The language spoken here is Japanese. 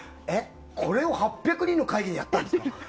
これを８００人の会議でやったんですか。